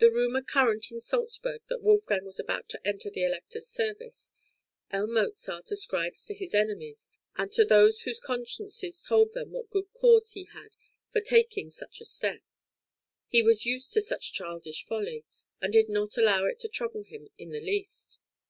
The rumour current in Salzburg that Wolfgang was about to enter the Elector's service, L. Mozart ascribes to his enemies, and to those whose consciences told them what good cause he had for taking such a step; he was used to such childish folly, and did not allow it to trouble him in the least.